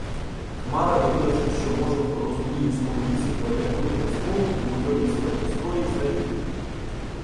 Хмара, довідавшись, що може в Розуміївському лісі переодягнути весь полк у будьонівські однострої, зрадів: